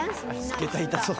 下駄痛そう。